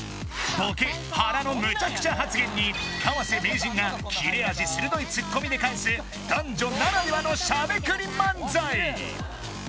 ボケはらのムチャクチャ発言に川瀬名人が切れ味鋭いツッコミで返す男女ならではのしゃべくり漫才